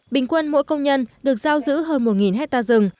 bình quân mỗi công nhân được giao giữ hơn một hectare rừng